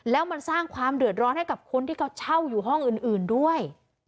แล้วมันสร้างความเดือดร้อนให้กับคนที่เขาเช่าอยู่ห้องอื่นด้วย